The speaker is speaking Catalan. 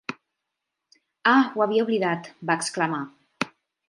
"Ah, ho havia oblidat", va exclamar.